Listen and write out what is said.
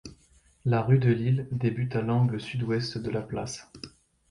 La rue de Lille débute à l'angle sud-ouest de la place.